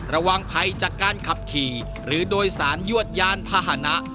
ระวังภัยจากการขับขี่หรือโดยสารยวดยานพาหนะ